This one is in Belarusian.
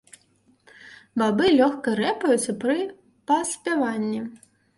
Бабы лёгка рэпаюцца пры паспяванні.